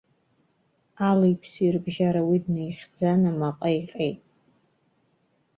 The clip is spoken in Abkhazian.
Али-ԥси рыбжьара уи днаихьӡан, амаҟа иҟьеит.